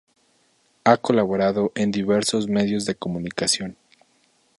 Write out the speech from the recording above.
Ha colaborado en diversos medios de comunicación.